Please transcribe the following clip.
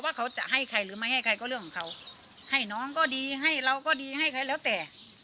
เขาจะให้ใครหรือไม่ให้ใครก็เรื่องของเขาให้น้องก็ดีให้เราก็ดีให้ใครแล้วแต่